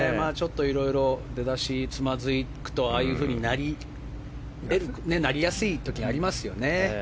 いろいろ出だしでつまずくと、ああいうふうになりやすい時がありますよね。